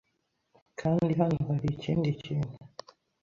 kandi hano hari ikindi kintu